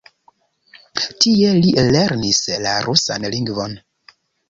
Tie li lernis la rusan lingvon.